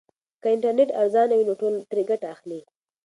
که انټرنیټ ارزانه وي نو ټول ترې ګټه اخلي.